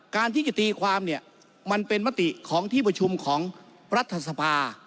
การที่จะตีความเนี่ยมันเป็นมติของที่ประชุมของรัฐสภา